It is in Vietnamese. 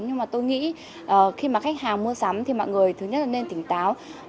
nhưng mà tôi nghĩ khi mà khách hàng mua sắm thì mọi người thứ nhất là nên tỉnh táo